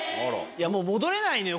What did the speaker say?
もう戻れないのよ